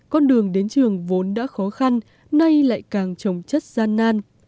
con đường đến trường vốn đã khó khăn nay lại càng trồng chất gian nan